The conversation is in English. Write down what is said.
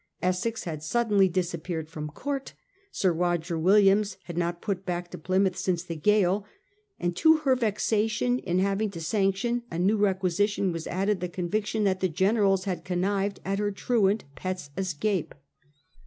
Essex had suddenly disappeared from Court, Sir Eoger Williams had not put back to Plymouth since, the gale, and to her vexation in having to sanction a new requisi tion was added the conviction that the generals had connived at her truant petfs escape.